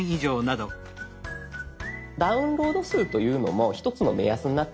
「ダウンロード数」というのも一つの目安になってまいります。